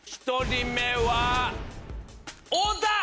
１人目は太田！